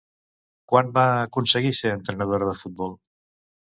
Quan va aconseguir ser entrenadora de futbol?